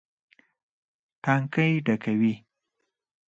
ټانکۍ ډکوي.